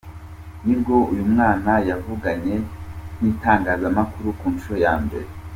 nibwo uyu mwana yavuganye nitangazamakuru ku nshuro ya mbere.